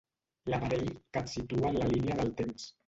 L'aparell que et situa en la línia del temps.